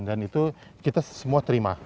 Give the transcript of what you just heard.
dan itu kita semua terima